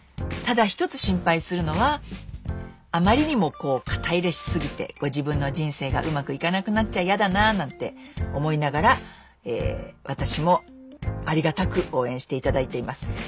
ただ一つ心配するのはあまりにもこう肩入れしすぎてご自分の人生がうまくいかなくなっちゃやだななんて思いながら私もありがたく応援して頂いています。